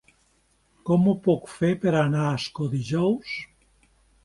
Com ho puc fer per anar a Ascó dijous?